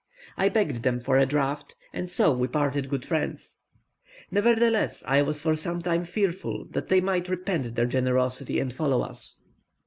I begged them for a draught, and so we parted good friends. Nevertheless I was for some time fearful that they might repent their generosity and follow us.